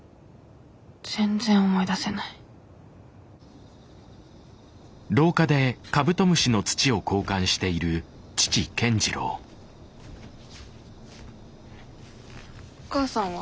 全然思い出せないお母さんは？